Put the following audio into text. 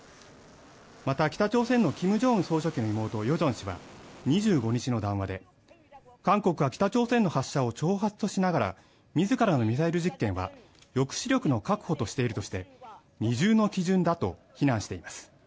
また北朝鮮のキム・ジョンウン総書記の妹、ヨジョン氏は２５日の談話で、韓国は北朝鮮の発射を挑発としながら、自らのミサイル実験は抑止力の確保としているとして、二重の基準だと非難しています。